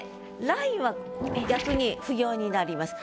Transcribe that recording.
「ライン」は逆に不要になります。